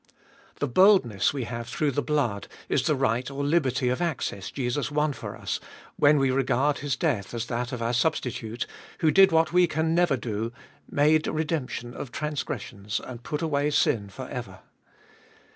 The boldness we have through the blood is the right or liberty of access Jesus won for us, when we regard His death as that of our Substitute, who did what we can never do — made redemption of transgressions, and put away sin for ever.